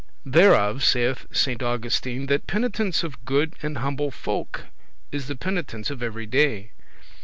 "Thereof saith St Augustine, that penitence of good and humble folk is the penitence of every day."